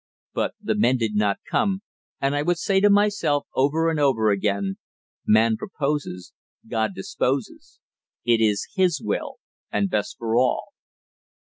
But the men did not come, and I would say to myself over and over again, "Man proposes, God disposes; it is His will and best for all."